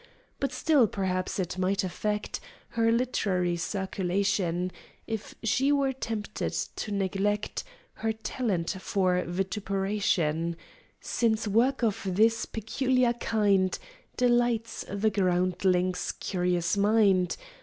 But still, perhaps, it might affect Her literary circulation, If she were tempted to neglect Her talent for vituperation; Since work of this peculiar kind Delights the groundling's curious mind.